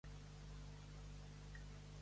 Quin seria l'equivalent de Seiryu?